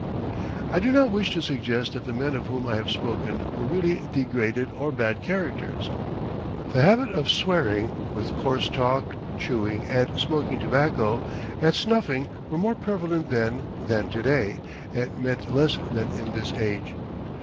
I do not wish to suggest that the men of whom I have spoken were really degraded or bad characters. The habit of swearing, with coarse talk, chewing and smoking tobacco, and snuffing were more prevalent then than to day and meant less than in this age.